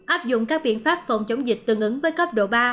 áp dụng các biện pháp phòng chống dịch tương ứng với cấp độ ba